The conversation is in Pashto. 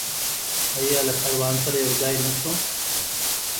آیا له کاروان سره یوځای نشو؟